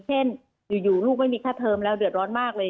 เช่นอยู่ลูกไม่มีค่าเทอมแล้วเดือดร้อนมากเลย